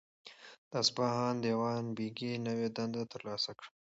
د اصفهان دیوان بیګي نوی دنده ترلاسه کړه.